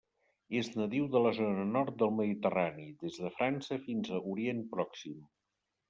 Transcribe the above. És nadiu de la zona nord del Mediterrani, des de França fins a Orient Pròxim.